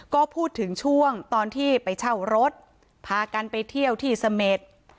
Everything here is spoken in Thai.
ก็พูดถึงช่วงตอนที่ไปเช่ารถพากันไปเที่ยวที่เสม็ด